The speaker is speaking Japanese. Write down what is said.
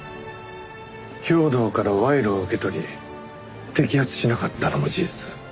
兵頭から賄賂を受け取り摘発しなかったのも事実。